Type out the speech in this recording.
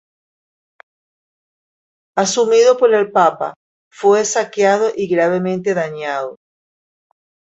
Asumido por el Papa, fue saqueado y gravemente dañado.